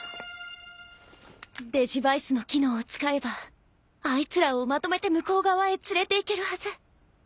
デジヴァイスの機能を使えばあいつらをまとめて向こう側へ連れていけるはず